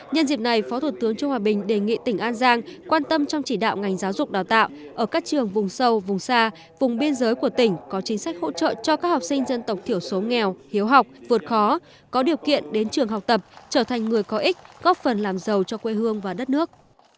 nhân dịp này phó thủ tướng trương hòa bình đề nghị tỉnh an giang quan tâm trong chỉ đạo ngành giáo dục đào tạo ở các trường vùng sâu vùng xa vùng biên giới của tỉnh có chính sách hỗ trợ cho các học sinh dân tộc thiểu số nghèo hiếu học vượt khó có điều kiện đến trường học tập trở thành người có ích góp phần làm giàu cho quê hương và đất nước